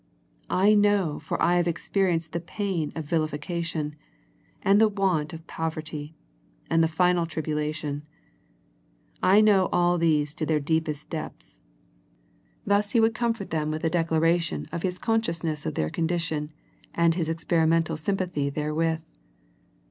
I know for I have ex perienced the pain of vilification, and the want of poverty, and the final tribulation. I know all these to their deepest depths. Thus He The Smyrna Letter 63 would comfort them with a declaration of His consciousness of their condition, and His ex perimental sympathy therewith.